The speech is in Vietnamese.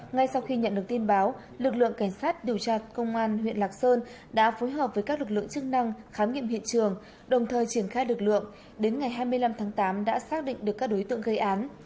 ngay sau khi nhận được tin báo lực lượng cảnh sát điều tra công an huyện lạc sơn đã phối hợp với các lực lượng chức năng khám nghiệm hiện trường đồng thời triển khai lực lượng đến ngày hai mươi năm tháng tám đã xác định được các đối tượng gây án